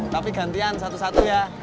tapi gantian satu satu ya